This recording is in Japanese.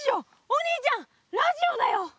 お兄ちゃんラジオだよ！